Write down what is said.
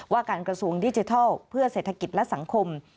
ว่าการกระทรวงดิจิทัลเพื่อเศรษฐกิจและสังคม